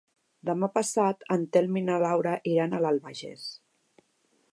Demà passat en Telm i na Laura iran a l'Albagés.